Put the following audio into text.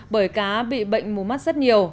bởi cá bị bệnh mù mắt rất nhiều